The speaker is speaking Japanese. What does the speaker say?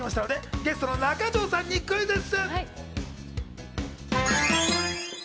ゲストの中条さんにクイズッス。